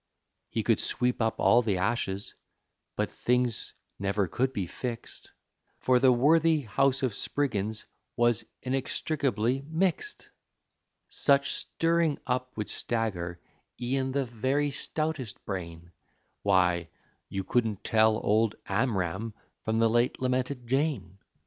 He could sweep up all the ashes, but things never could be fixed, For the worthy house of Spriggins was inextricably mixed! Such stirring up would stagger e'en the very stoutest brain; Why, you couldn't tell old Amram from the late lamented Jane.